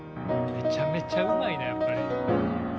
めちゃめちゃうまいなやっぱり。